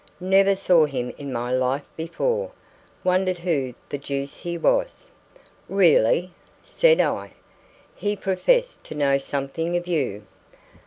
"Never saw him in my life before; wondered who the deuce he was." "Really?" said I. "He professed to know something of you."